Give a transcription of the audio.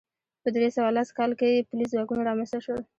په درې سوه لس کال کې پولیس ځواکونه رامنځته شول